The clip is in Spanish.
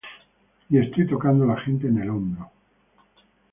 Y estoy tocando la gente en el hombro.